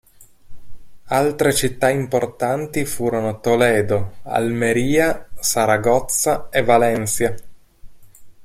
Altre città importanti furono Toledo, Almería, Saragozza e Valencia.